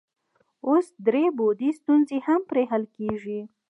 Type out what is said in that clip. اوس درې بعدي ستونزې هم پرې حل کیږي.